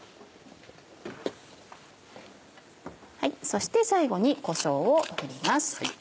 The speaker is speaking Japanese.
そして最後にこしょうを振ります。